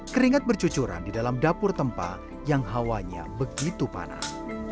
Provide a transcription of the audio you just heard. keringat bercucuran di dalam dapur tempa yang hawanya begitu panas